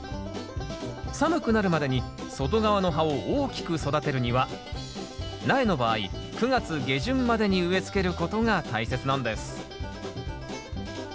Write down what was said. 寒くなるまでに外側の葉を大きく育てるには苗の場合９月下旬までに植え付けることが大切なんです